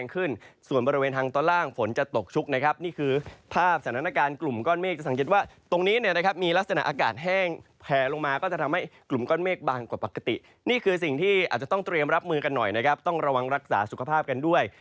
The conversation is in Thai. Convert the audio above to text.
กลุ่มก็นเมคบางกว่าปกตินี่คือสิ่งที่อาจจะต้องเตรียมรับมือกันหน่อยนะครับต้องระวังรักษาสุขภาพกันด้วย